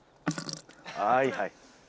はいはい。